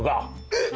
えっ！？